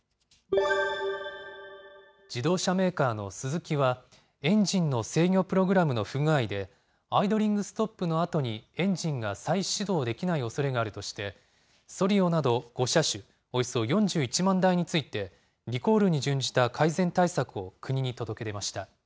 自動車メーカーのスズキは、エンジンの制御プログラムの不具合で、アイドリングストップのあとにエンジンが再始動できないおそれがあるとして、ソリオなど５車種およそ４１万台について、リコールに準じた改善対策を国に届け出ました。